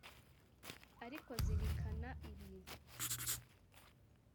Ariko zirikana ibi